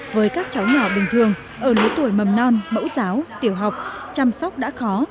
với các cháu nhỏ bình thường ở lứa tuổi mầm non mẫu giáo tiểu học chăm sóc đã khó